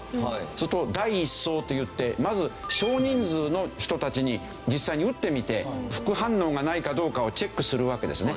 すると第１相といってまず少人数の人たちに実際に打ってみて副反応がないかどうかをチェックするわけですね。